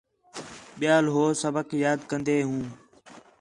ٻِیال ہو سبق یاد کندے ہوں